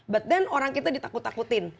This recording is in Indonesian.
but dan orang kita ditakut takutin